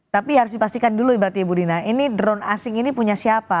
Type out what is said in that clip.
tapi harus dipastikan dulu berarti ibu dina ini drone asing ini punya siapa